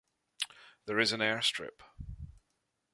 There is an air strip.